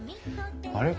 あれ？